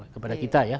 kepada kita ya